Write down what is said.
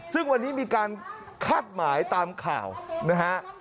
ซึ่งวันนี้มีการคาดหมายตามข่าวนะฮะ